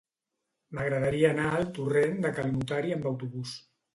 M'agradaria anar al torrent de Cal Notari amb autobús.